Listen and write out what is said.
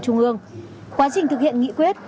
trung ương quá trình thực hiện nghị quyết